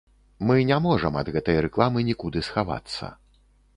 Мы не можам ад гэтай рэкламы нікуды схавацца.